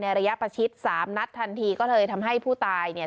ระยะประชิดสามนัดทันทีก็เลยทำให้ผู้ตายเนี่ย